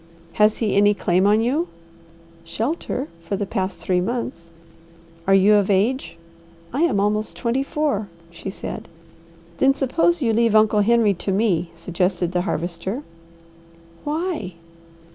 "Has he any claim on you?" "Shelter for the past three months." "Are you of age?" "I am almost twenty four," she said. "Then suppose you leave Uncle Henry to me," suggested the Harvester. "Why?"